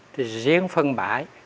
thì riêng phân mãi